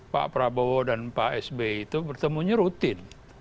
pak prabowo dan pak sby itu bertemunya rutin